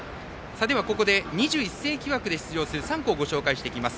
では２１世紀枠で出場する３校をご紹介します。